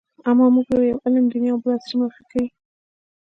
اما موږ ته يو علم دیني او بل عصري معرفي کوي.